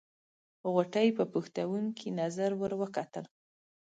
غوټۍ په پوښتونکې نظر ور وکتل.